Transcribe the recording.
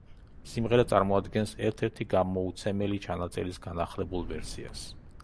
სიმღერა წარმოადგენს ერთ-ერთი გამოუცემელი ჩანაწერის განახლებულ ვერსიას.